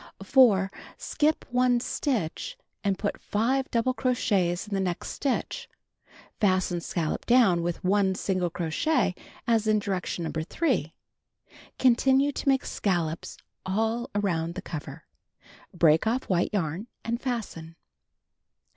4. Skip 1 stitch and put 5 double crochets in the next stitch. Fasten scallop down with 1 single crochet as in direction No. 3. Continue to make scallops all around the cover. Break oft" white yarn and fasten.